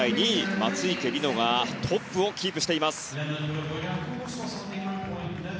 松生理乃がトップをキープしています。